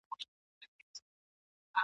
په هرباب کي توپانونه ..